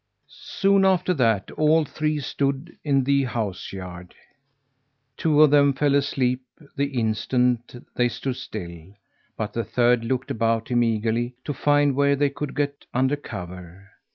Soon after that, all three stood in the house yard. Two of them fell asleep the instant they stood still, but the third looked about him eagerly, to find where they could get under cover.